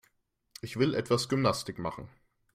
Ich will etwas Gymnastik machen.